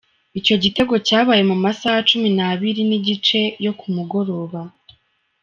Ico gitero cabaye mu masaha cumi na zibiri n'igice yo ku mugoroba.